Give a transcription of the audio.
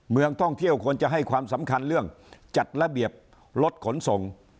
เมืองท่องเที่ยวควรจะให้ความสำคัญเรื่องจัดระเบียบรถขนส่ง